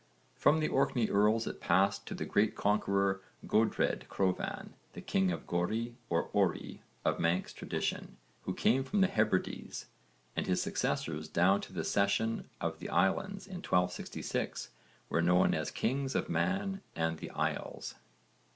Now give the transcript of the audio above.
From the Orkney earls it passed to the great conqueror Godred Crovan the King Gorry or Orry of Manx tradition who came from the Hebrides, and his successors down to the cession of the islands in 1266 were known as kings of Man and the Isles.